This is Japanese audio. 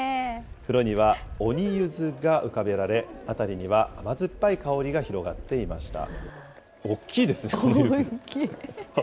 風呂には鬼ゆずが浮かべられ、辺りには甘酸っぱい香りが広がっていました。